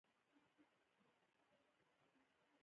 شل اوریز کرکټ ډېر مینه وال لري.